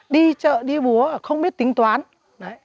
đi chợ đi búa không biết tính toán đấy